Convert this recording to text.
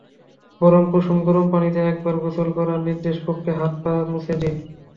বরং কুসুম গরম পানিতে একবার গোসল করান, নিদেনপক্ষে হাত-পা মুছে দিন।